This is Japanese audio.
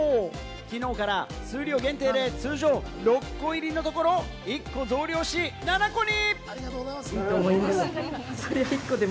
きのうから数量限定で通常６個入りのところ１個増量し、７個に！